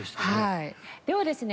ではですね